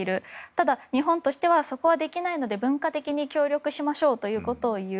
ただ、日本としてはそこはできないので文化的に協力しましょうということを言う。